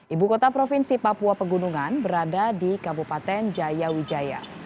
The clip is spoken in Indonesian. ibu kota provinsi papua pegunungan berada di kabupaten jaya wijaya